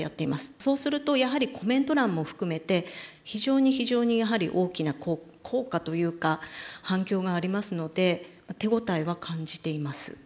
そうするとやはりコメント欄も含めて非常に非常にやはり大きな効果というか反響がありますので手応えは感じています。